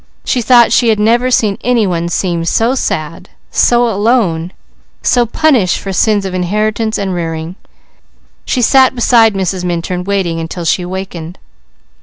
She thought she never had seen any one seem so sad, so alone, so punished for sins of inheritance and rearing. She sat beside Mrs. Minturn, waiting until she awakened.